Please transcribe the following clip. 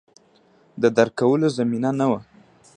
د درک کولو زمینه نه وه